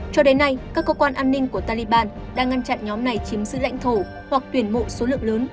cho đến nay các cơ quan an ninh của taliban đã ngăn chặn nhóm này chiếm giữ lãnh thổ hoặc tuyển mộ số lượng lớn